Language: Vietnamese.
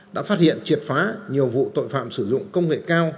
đã phát hiện triệt phá nhiều vụ tội phạm sử dụng công nghệ cao